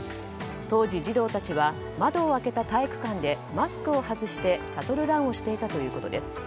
当時、児童たちは窓を開けた体育館でマスクを外してシャトルランをしていたということです。